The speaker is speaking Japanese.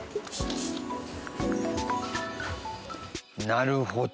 なるほど。